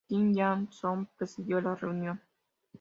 Kim Jang-soo presidió la reunión.